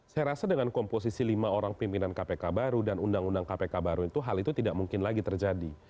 saya rasa dengan komposisi lima orang pimpinan kpk baru dan undang undang kpk baru itu hal itu tidak mungkin lagi terjadi